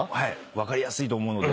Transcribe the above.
分かりやすいと思うので。